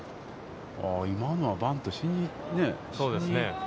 今のはバントをしに。